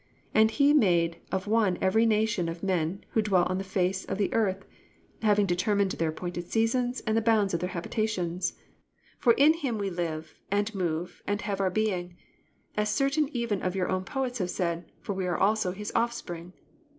(26) And he made of one every nation of men who dwell on all the face of the earth, having determined their appointed seasons, and the bounds of their habitations. (27) For in him we live, and move, and have our being; as certain even of your own poets have said, for we are also his offspring."